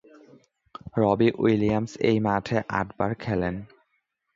রবি Williams এই মাঠে আটবার খেলেন।